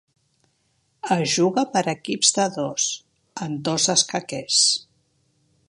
Es juga per equips de dos, en dos escaquers.